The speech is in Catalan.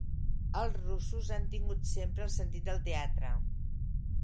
Els russos han tingut sempre el sentit del teatre.